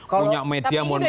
punya media mohon maaf